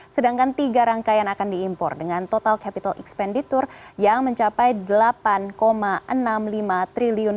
sedangkan tiga rangkaian akan diimpor dengan total capital expenditure yang mencapai rp delapan enam puluh lima triliun